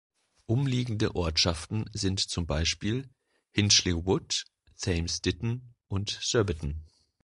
Umliegende Ortschaften sind zum Beispiel Hinchley Wood, Thames Ditton und Surbiton.